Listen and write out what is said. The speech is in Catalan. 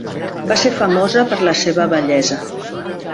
Va ser famosa per la seva bellesa.